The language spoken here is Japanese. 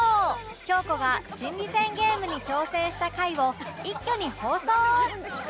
京子が心理戦ゲームに挑戦した回を一挙に放送！